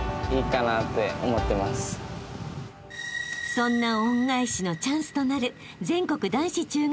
［そんな恩返しのチャンスとなる］